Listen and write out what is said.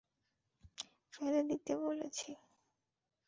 ফেলে দিতে বলছি।